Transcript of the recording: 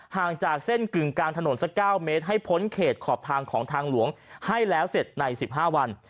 ห่างจากเส้นกึ่งกลางถนนสัก๙เมตรให้พ้นเขตขอบทางของทางหลวงให้แล้วเสร็จใน๑๕วัน